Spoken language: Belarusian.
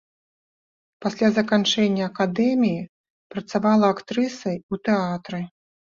Пасля заканчэння акадэміі працавала актрысай ў тэатры.